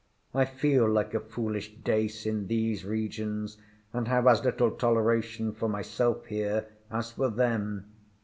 I feel like a foolish dace in these regions, and have as little toleration for myself here, as for them.